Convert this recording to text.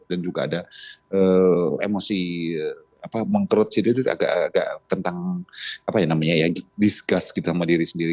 dan juga ada emosi mengkerut diri agak tentang discuss gitu sama diri sendiri